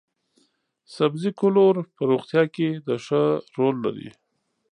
سبزي ګولور په روغتیا کې د ښه رول لري.